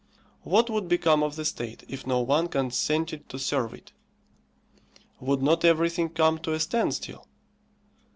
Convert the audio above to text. What would become of the state if no one consented to serve it? Would not everything come to a standstill?